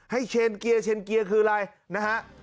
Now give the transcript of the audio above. เชนเกียร์เชนเกียร์คืออะไรนะฮะ